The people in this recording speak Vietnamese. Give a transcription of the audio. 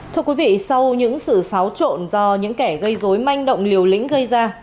thưa quý vị sau những sự xáo trộn do những kẻ gây dối manh động liều lĩnh gây ra